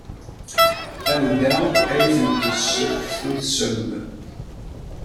Anda ay tent-tesseftutsem?